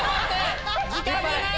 時間がない！